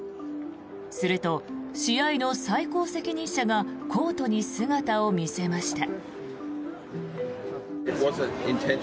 すると、試合の最高責任者がコートに姿を見せました。